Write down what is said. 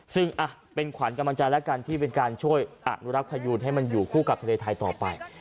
ซึ่งเป็นขวัญกำลังใจแล้วกันที่เป็นการช่วยอนุรักษ์พยูนให้มันอยู่คู่กับทะเลไทยต่อไป